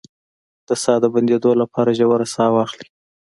د ساه د بندیدو لپاره ژوره ساه واخلئ